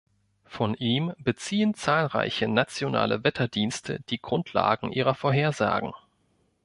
Von ihm beziehen zahlreiche nationale Wetterdienste die Grundlagen ihrer Vorhersagen.